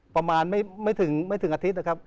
ประมาณไม่ถึงอาทิตย์นะครับ